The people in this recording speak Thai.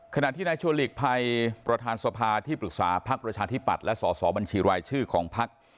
ขณะที่นายชัวร์หลีกภัยประธานสภาที่ปรึกษาพักประชาธิปัตย์และสอสอบัญชีรายชื่อของพัก